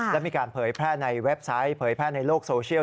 และมีการเผยแพร่ในเว็บไซต์เผยแพร่ในโลกโซเชียล